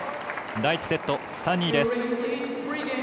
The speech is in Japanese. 第１セット３−２です。